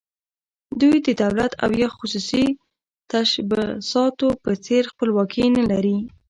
دوی د دولت او یا خصوصي تشبثاتو په څېر خپلواکي نه لري.